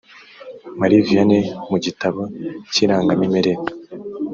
marie vianney mu gitabo cy irangamimerere